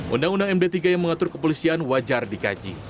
undang undang md tiga yang mengatur kepolisian wajar dikaji